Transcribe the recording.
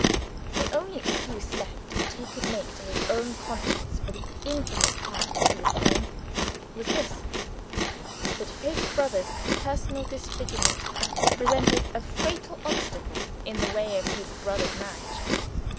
The only excuse left that he could make to his own conscience for the infamous part which he was playing, was this that his brother's personal disfigurement presented a fatal obstacle in the way of his brother's marriage.